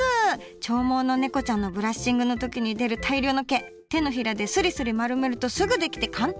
長毛のねこちゃんのブラッシングの時に出る大量の毛手のひらでスリスリ丸めるとすぐ出来て簡単！